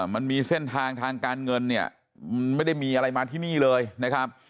มันมีเส้นทางทางการเงินเนี่ยมันไม่ได้มีอะไรมาที่นี่เลยนะครับ